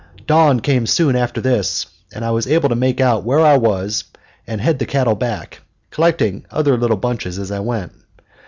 Dawn came soon after this, and I was able to make out where I was and head the cattle back, collecting other little bunches as I went.